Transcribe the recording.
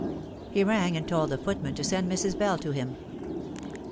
He rang and told the footman to send Mrs. Bell to him.